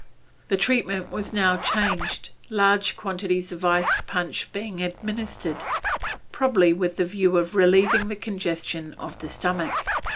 The treatment was now changed, large quantities of iced punch being administered, probably with the view of relieving the congestion of the stomach.